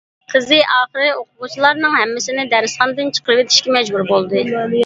قىزى ئاخىرى ئوقۇغۇچىلارنىڭ ھەممىسىنى دەرسخانىدىن چىقىرىۋېتىشكە مەجبۇر بولدى.